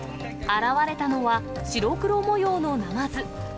現れたのは、白黒模様のナマズ。